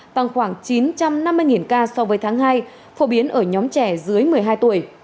tăng khoảng chín trăm năm mươi ca so với tháng hai phổ biến ở nhóm trẻ dưới một mươi hai tuổi